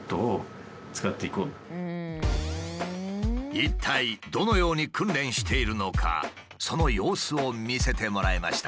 一体どのように訓練しているのかその様子を見せてもらいました。